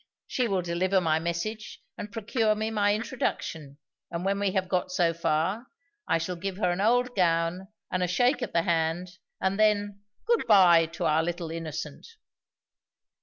She will deliver my message, and procure me my introduction; and when we have got so far, I shall give her an old gown and a shake of the hand; and then, good by to our little innocent!"